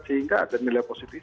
sehingga ada nilai positif